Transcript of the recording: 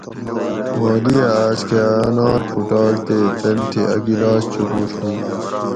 مالیہ آس کہ اۤ انار پھوٹاگ تے تن تھی اۤ گلاس چوپوٹ ھو